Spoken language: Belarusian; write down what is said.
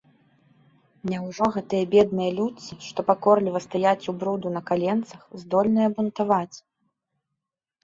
Няўжо гэтыя бедныя людцы, што пакорліва стаяць ў бруду на каленцах, здольныя бунтаваць?